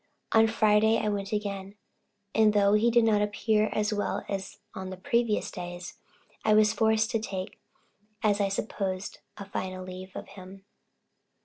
On Friday I went again, and though he did not appear as well as on the previous days, I was forced to take, as I then supposed, a final leave of him.